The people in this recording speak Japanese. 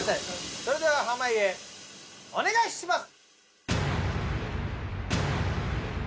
それでは濱家お願いします。